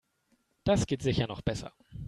Das geht sicher noch besser.